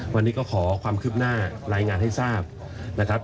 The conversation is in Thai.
วันนี้ก็ขอความคืบหน้ารายงานให้ทราบนะครับ